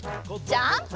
ジャンプ！